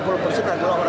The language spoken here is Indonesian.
itu adalah orang kita